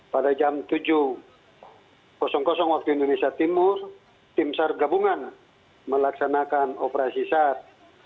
pada jam tujuh waktu indonesia timur tim sar gabungan melaksanakan operasi sar